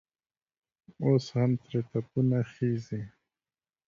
اوس هم ترې تپونه خېژي.